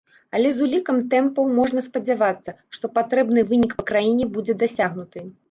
Але з улікам тэмпаў можна спадзявацца, што патрэбны вынік па краіне будзе дасягнуты.